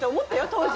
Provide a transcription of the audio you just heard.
当時。